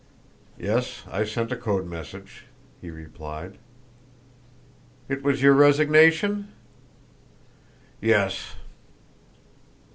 "Yes, I sent a code message," he replied. "It was your resignation?" "Yes."